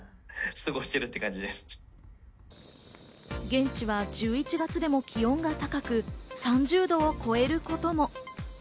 現地は１１月でも気温が高く、３０度を超えることも。